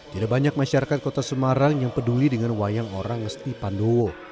tidak banyak masyarakat kota semarang yang peduli dengan wayang orang ngesti pandowo